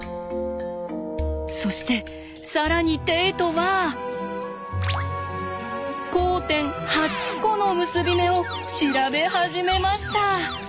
そして更にテイトは交点８コの結び目を調べ始めました。